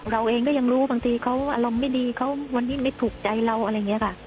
เราเองก็ยังรู้บางทีเขาอารมณ์ไม่ดีเขาวันนี้ไม่ถูกใจเราอะไรอย่างนี้ค่ะ